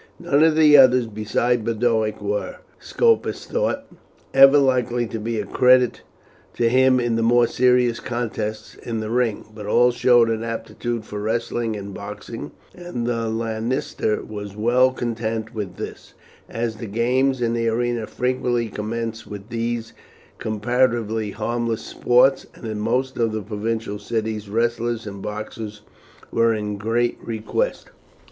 None of the others besides Boduoc were, Scopus thought, ever likely to be a credit to him in the more serious contests in the ring, but all showed an aptitude for wrestling and boxing, and the lanista was well content with this, as the games in the arena frequently commenced with these comparatively harmless sports, and in many of the provincial cities wrestlers and boxers were in great request.